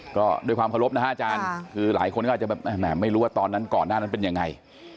ก็ด้วยความเคารพนะฮะอาจารย์คือหลายคนก็อาจจะแบบแหมไม่รู้ว่าตอนนั้นก่อนหน้านั้นเป็นยังไง